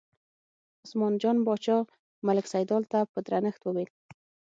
عثمان جان باچا ملک سیدلال ته په درنښت وویل.